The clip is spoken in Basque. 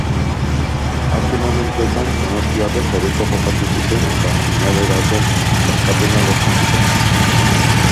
Azken momentuetan donostiarrek hobeto jokatu zuten eta finalerako sailkapena lortu zuten.